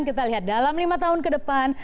kita lihat dalam lima tahun ke depan